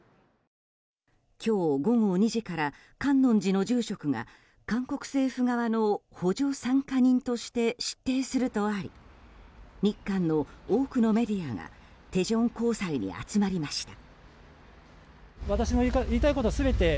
今日午後２時から観音寺の住職が韓国政府側の補助参加人として出廷するとあり日韓の多くのメディアがテジョン高裁に集まりました。